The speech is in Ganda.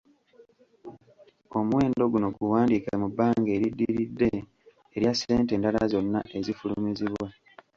Omuwendo guno guwandiike mu bbanga eriddiridde erya ssente endala zonna ezifulumizibwa.